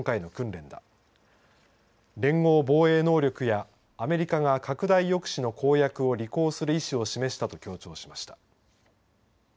連合防衛能力やアメリカが拡大抑止の履行する意志を示したと強調しました。